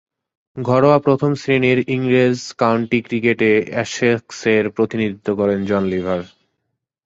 ঘরোয়া প্রথম-শ্রেণীর ইংরেজ কাউন্টি ক্রিকেটে এসেক্সের প্রতিনিধিত্ব করেন জন লিভার।